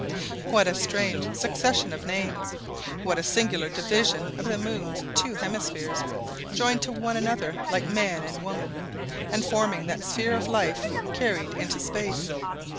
What a strange succession of names! What a singular division of the moon's two hemispheres, joined to one another like man and woman, and forming that sphere of life carried into space!